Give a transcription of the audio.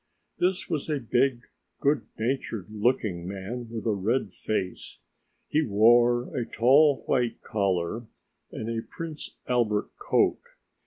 This was a big, good natured looking man with a red face; he wore a tall white collar and a Prince Albert coat.